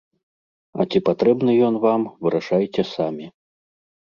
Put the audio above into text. А ці патрэбны ён вам, вырашайце самі.